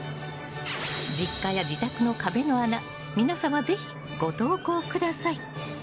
実家や自宅の壁の穴皆様、ぜひご投稿ください。